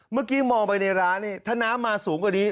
เมื่อกี้มองไปในร้านนี่ถ้าน้ำมาสูงกว่านี้